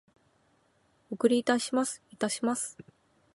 お送りいたします。いたします。